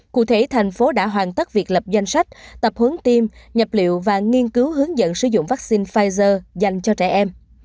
cụ thể thành phố đã hoàn tất việc lập danh sách tập hướng tiêm nhập liệu và nghiên cứu hướng dẫn sử dụng vaccine pfizer dành cho trẻ em